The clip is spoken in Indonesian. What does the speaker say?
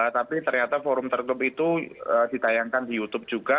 tapi ternyata forum tertutup itu ditayangkan di youtube juga